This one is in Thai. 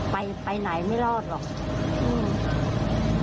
ไปไปไหนไม่รอดหรอก